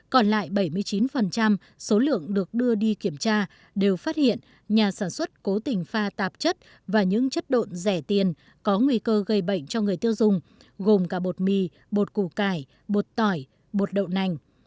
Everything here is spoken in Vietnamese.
còn lại bảy mươi chín số lượng được đưa đi kiểm tra đều phát hiện nhà sản xuất cố tình pha tạp chất và những chất độn rẻ tiền có nguy cơ gây bệnh cho người tiêu dùng gồm cả bột mì bột củ cải bột tỏi bột đậu nành